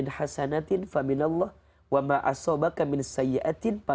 bisa jadi betul ya ailman ya